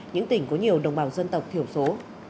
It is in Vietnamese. những tỉnh có nhiều đồng bào dân tộc thiểu số